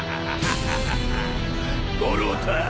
五郎太